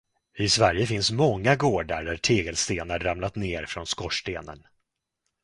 I Sverige finns många gårdar där tegelstenar ramlat ner från skorstenen.